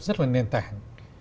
rất là nền tảng